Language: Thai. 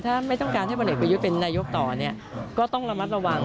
ถ้าไม่ต้องการให้พลเอกประยุทธ์เป็นนายกต่อเนี่ยก็ต้องระมัดระวัง